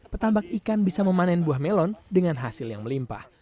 petambak ikan bisa memanen buah melon dengan hasil yang melimpah